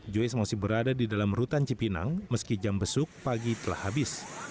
joyce masih berada di dalam rutan cipinang meski jam besuk pagi telah habis